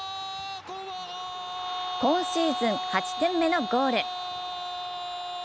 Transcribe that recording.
今シーズン８点目のゴール。